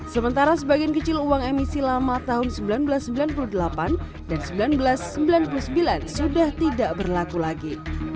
sementara sebagian kecil uang emisi lama tahun seribu sembilan ratus sembilan puluh delapan dan seribu sembilan ratus sembilan puluh sembilan sudah tidak berlaku lagi